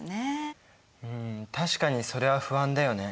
うん確かにそれは不安だよね。